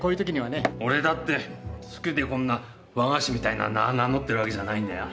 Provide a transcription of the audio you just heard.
俺だって好きでこんな和菓子みたいな名ぁ名乗ってるわけじゃないんだよ。